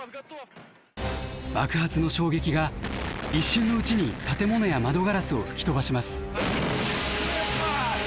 爆発の衝撃が一瞬のうちに建物や窓ガラスを吹き飛ばします。